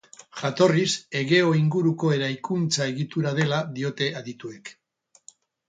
Jatorriz Egeo inguruko eraikuntza egitura dela diote adituek.